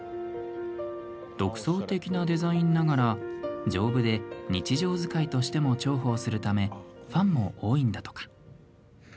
独創的なデザインながら、丈夫で日常使いとしても重宝するためファンも多いんだとか。